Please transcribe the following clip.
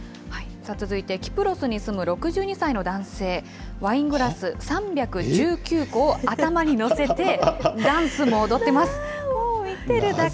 さあ、続いてキプロスに住む６２歳の男性、ワイングラス３１９個を頭にのせてダンスも踊ってます。